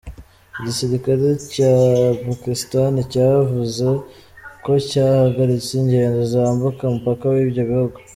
Igisirikare ya Pakistani cyavuze ko cyahagaritse ingendo zambuka umupaka w'ibyo bihugu.